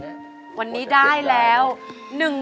วันนี้ได้แล้ว๑๐๐๐๐บาท